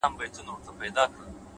هره تېروتنه د پوهېدو فرصت لري’